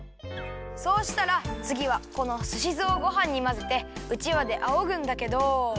そうしたらつぎはこのすしずをごはんにまぜてうちわであおぐんだけど。